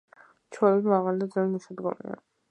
ჩვეულებრივ, მაღალი და ძნელად მისადგომია.